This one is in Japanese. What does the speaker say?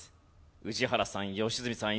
宇治原さん良純さん